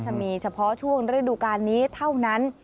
จะมีเฉพาะช่วงฤดูการนี้เท่านั้น